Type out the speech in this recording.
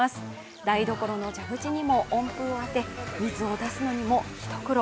台所の蛇口にも温風を当て、水を出すのにも一苦労。